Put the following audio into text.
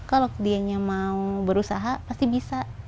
kalau dianya mau berusaha pasti bisa